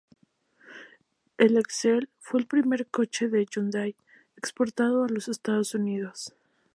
El Excel fue el primer coche de Hyundai exportado a los Estados Unidos.